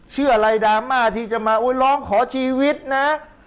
เชื่ออะไรดราม่าที่จะมาร้องขอชีวิตนะ